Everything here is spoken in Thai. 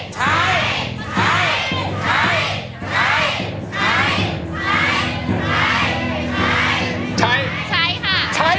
ใช้ใช้